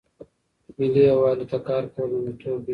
ملي یووالي ته کار کول لومړیتوب وي.